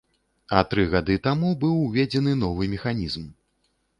А тры гады таму быў уведзены новы механізм.